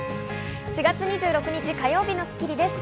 ４月２６日、火曜日の『スッキリ』です。